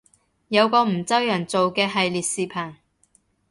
有個梧州人做嘅系列視頻